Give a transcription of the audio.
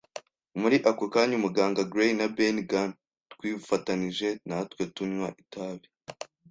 Muri ako kanya, umuganga, Gray, na Ben Gunn twifatanije natwe, tunywa itabi